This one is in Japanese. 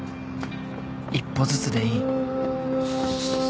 ［一歩ずつでいい］